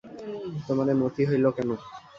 তোমার এ মতি হইল কেন।